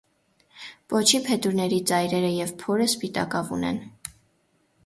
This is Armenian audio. Պոչի փետուրների ծայրերը և փորը սպիտակավուն են։